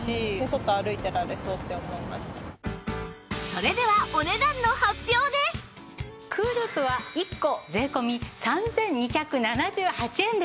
それでは ＣＯＯＬＯＯＰ は１個税込３２７８円です。